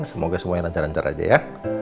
semoga semuanya lancar lancar aja ya